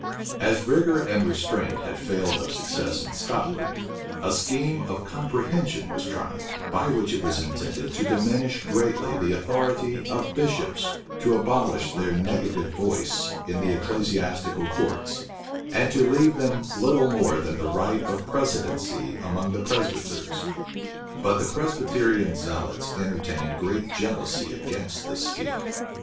As rigor and restraint had failed of success in Scotland, a scheme of comprehension was tried; by which it was intended to diminish greatly the authority of bishops, to abolish their negative voice in the ecclesiastical courts, and to leave them little more than the right of precedency among the Presbyters. But the Presbyterian zealots entertained great jealousy against this scheme.